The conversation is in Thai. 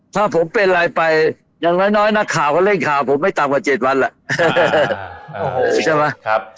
ถ้าผมเป็นอะไรไปยังไว้น้อยนักข่าวเค้าเล่นข่าวผมไม่ต่ำกว่า๗วันล่ะ